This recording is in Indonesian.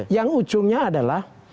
yang ujungnya adalah